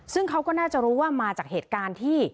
ซึ่งเขาก็น่าจะรู้ว่ามาจากเหตุการณ์ที่